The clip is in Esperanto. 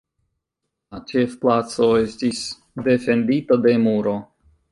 La ĉefplaco estis defendita de muro.